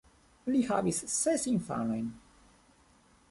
Li havis ses infanojn.